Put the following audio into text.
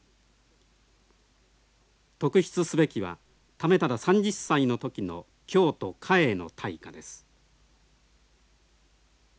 特筆すべきは為理３０歳の時の京都嘉永の大火です。